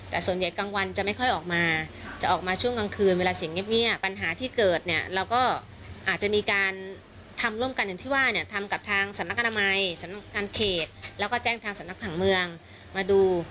แต่ส่วนใหญ่กลางวันจะไม่ค่อยออกมาจะออกมาช่วงกลางคืนเวลาเสียงเงียบปัญหาที่เกิดเนี่ยเราก็อาจจะมีการทำร่วมกันอย่างที่ว่าเนี่ยทำกับทางสำนักอนามัยสำนักงานเขตแล้วก็แจ้งทางสำนักผังเมืองมาดู